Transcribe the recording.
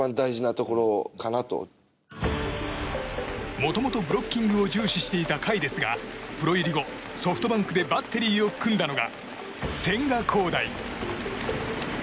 もともとブロッキングを重視していた甲斐ですがプロ入り後、ソフトバンクでバッテリーを組んだのが千賀。